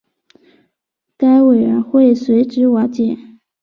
该委员会随之瓦解。